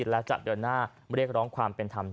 และความสุขของคุณค่ะ